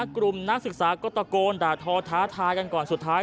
กลุ่มนักศึกษาก็ตะโกนด่าทอท้าทายกันก่อนสุดท้าย